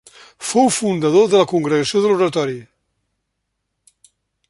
Fou fundador de la Congregació de l'Oratori.